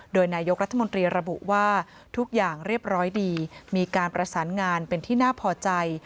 โดยนายกรัฐมนตรีระบุว่าทุกอย่างเรียบร้อยดีมีการประสานงานเป็นที่น่าพอใจ